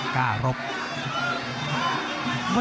ก้าหรอบ